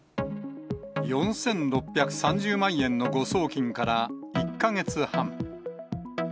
４６３０万円の誤送金から１か月半。